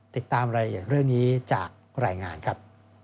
ติดตามอะไรอย่างเรื่องนี้จากรายงานครับ